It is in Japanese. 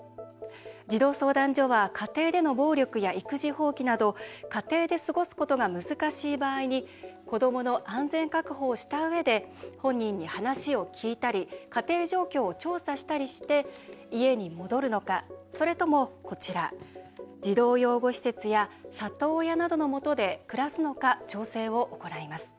児童相談所は家庭での暴力や育児放棄など家庭で過ごすことが難しい場合に子どもの安全確保をしたうえで本人に話を聞いたり家庭状況を調査したりして家に戻るのかそれとも児童養護施設や里親などのもとで暮らすのか調整を行います。